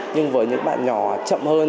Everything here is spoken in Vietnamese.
nhưng với những bạn nhỏ chậm hơn